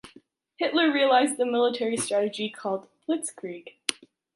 Hitler realized the military strategy called blitzkrieg.